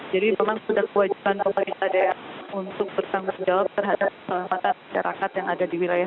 jadi memang sudah kewajiban pemerintah daerah untuk bertanggung jawab terhadap usai usannanya